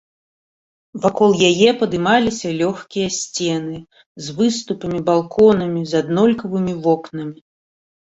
Вакол яе падымаліся лёгкія сцены, з выступамі, балконамі, з аднолькавымі вокнамі.